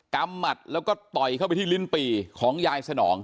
ำหมัดแล้วก็ต่อยเข้าไปที่ลิ้นปี่ของยายสนอง